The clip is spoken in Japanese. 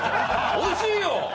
おいしいよ！